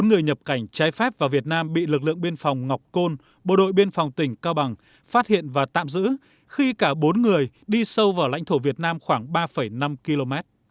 bốn người nhập cảnh trái phép vào việt nam bị lực lượng biên phòng ngọc côn bộ đội biên phòng tỉnh cao bằng phát hiện và tạm giữ khi cả bốn người đi sâu vào lãnh thổ việt nam khoảng ba năm km